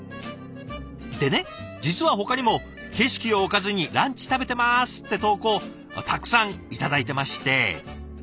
でね実はほかにも「景色をおかずにランチ食べてます」って投稿たくさん頂いてまして。